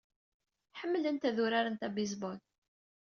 Ḥemmlent ad urarent abaseball.